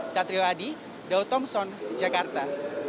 satrio adi dau thompson jakarta